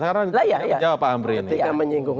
karena jawab pak amri ini ketika menyinggung